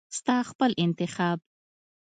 ستا خپل انتخاب .